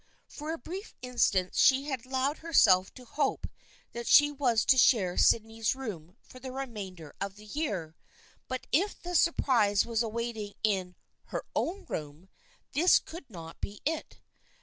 For a brief instant she had allowed herself to hope that she was to share Sydney's room for the re mainder of the year. But if the surprise was await ing her in " her own room," this could not be it.